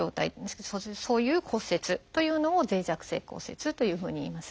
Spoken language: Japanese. そういう骨折というのを脆弱性骨折というふうにいいます。